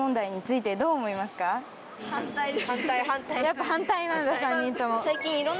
やっぱ反対なんだ３人とも。